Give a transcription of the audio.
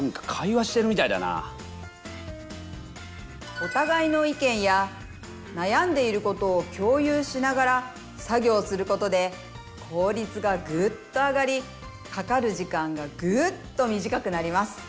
おたがいの意見や悩んでいることを共有しながら作業することで効率がぐっと上がりかかる時間がぐっと短くなります。